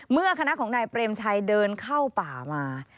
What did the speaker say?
คณะของนายเปรมชัยเดินเข้าป่ามา